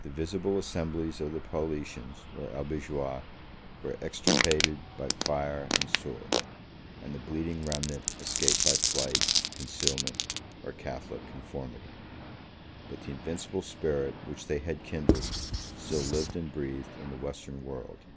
The visible assemblies of the Paulicians, or Albigeois, were extirpated by fire and sword; and the bleeding remnant escaped by flight, concealment, or Catholic conformity. But the invincible spirit which they had kindled still lived and breathed in the Western world.